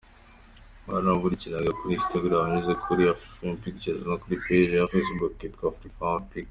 Wanabakurikirana kuri Instagram unyuze kuri Afrifamepictures no kuri page ya Facebook yitwa Afrifame Pictures.